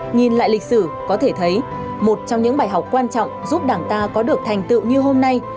nhìn lại lịch sử có thể thấy một trong những bài học quan trọng giúp đảng ta có được thành tựu như hôm nay